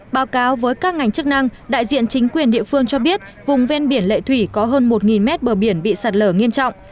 báo cáo với các ngành chức năng đại diện chính quyền địa phương cho biết vùng ven biển lệ thủy có hơn một mét bờ biển bị sạt lở nghiêm trọng